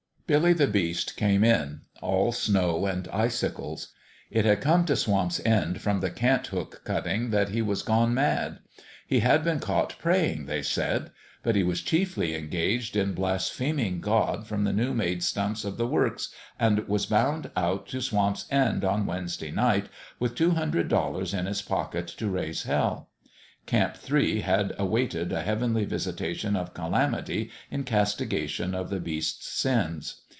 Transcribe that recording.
Billy the Beast came in all snow and icicles. It had come to Swamp's End from the Cant hook cutting that he was gone mad : he had A MIRACLE at PALE PETER'S 305 been caught praying (they said) ; but he was chiefly engaged in blaspheming God from the new made stumps of the works, and was bound out to Swamp's End on Wednesday night with two hundred dollars in his pocket to raise hell. Camp Three had awaited a heavenly visitation of calamity in castigation of the Beast's sins.